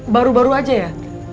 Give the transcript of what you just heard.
baru baru aja ya